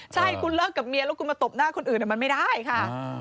ใช่คุณเลิกกับเมียแล้วคุณมาตบหน้าคนอื่นมันไม่ได้ค่ะ